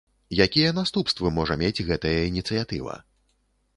Якія наступствы можа мець гэтая ініцыятыва?